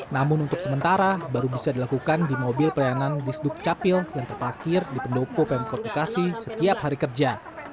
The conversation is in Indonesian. namun untuk sementara baru bisa dilakukan di mobil pelayanan di sduk capil yang terpakir di pendopo pemkotikasi setiap hari kerja